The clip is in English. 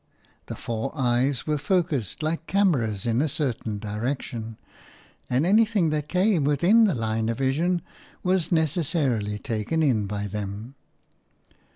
The four eyes were focussed like cameras in a certain direction, and anything that came within the line of vision was necessarily taken in by them.